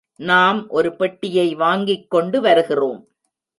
நாம் ஒரு பெட்டியை வாங்கிக்கொண்டு வருகிறோம்.